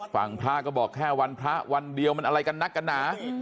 พระก็บอกแค่วันพระวันเดียวมันอะไรกันนักกันหนา